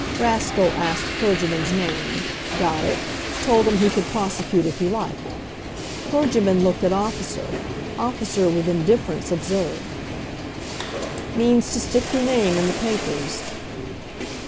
Rascal asked clergyman's name; got it; told him he could prosecute if he liked. Clergyman looked at officer; officer, with indifference, observed: "Means to stick your name in the papers."